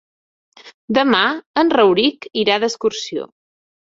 Demà en Rauric irà d'excursió.